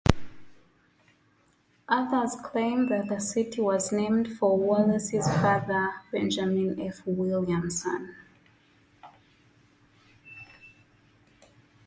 Others claim that the city was named for Wallace's father, Benjamin F. Williamson.